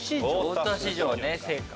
大田市場ね青果。